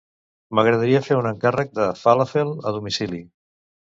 M'agradaria fer un encàrrec de falàfel a domicili.